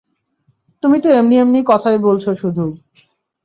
তুমি তো এমনি এমনি কথাই বলছ শুধু।